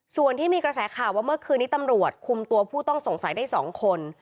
ส่วนที่มีกระแสข่าวว่าเมื่อคืนนี้ตำรวจคุมตัวผู้ต้องสงสัยได้๒คน